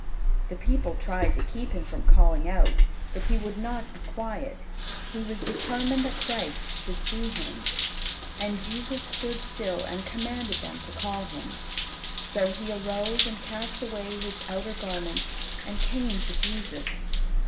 The people tried to keep him from calling out, but he would not be quiet. He was determined that Christ should see him. And Jesus stood still, and commanded them to call him. So he arose and cast away his outer garment and came to Jesus.